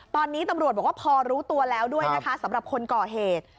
ตอนนี้ตำรวจบอกว่าพอรู้ตัวแล้วด้วยนะคะสำหรับคนก่อเหตุ